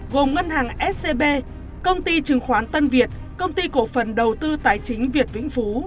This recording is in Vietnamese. gồm ngân hàng scb công ty chứng khoán tân việt công ty cổ phần đầu tư tài chính việt vĩnh phú